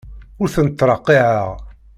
Ur tent-ttreqqiɛeɣ.